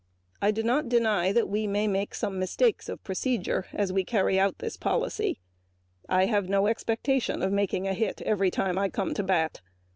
I do not deny that we may make mistakes of procedure as we carry out the policy. I have no expectation of making a hit every time I come to bat.